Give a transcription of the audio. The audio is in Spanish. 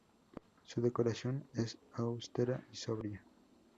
Su decoración es austera y sobria.